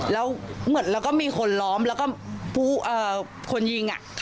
แล้วเหมือนเราก็มีคนล้อมแล้วก็ผู้คนยิง